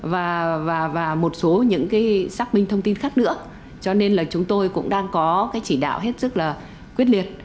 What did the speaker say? với những cái xác minh thông tin khác nữa cho nên là chúng tôi cũng đang có cái chỉ đạo hết sức là quyết liệt